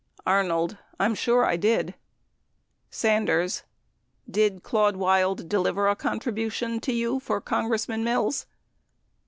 Arnold. I'm sure I did Sanders. Did Claude Wild deliver a contribution to you for Congressman Mills?